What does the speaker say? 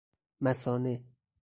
مثانه